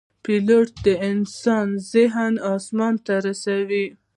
پیلوټ د انسان ذهن آسمان ته رسوي.